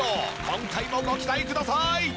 今回もご期待ください！